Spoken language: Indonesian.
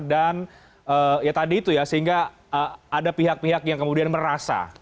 dan ya tadi itu ya sehingga ada pihak pihak yang kemudian merasa